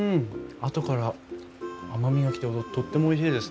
あとから甘みが来てとってもおいしいです。